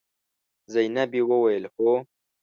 زينبې وويل: هو.